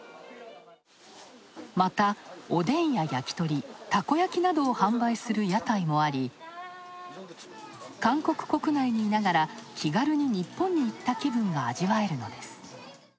また、おでんや焼き鳥、たこ焼きなどを販売する屋台もあり、韓国国内にいながら、気軽に日本に行った気分が味わえるのです。